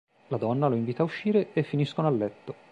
La donna lo invita a uscire e finiscono a letto.